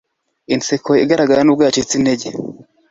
inseko igaragara nubwo yacitse intege